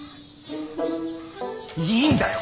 いいんだよ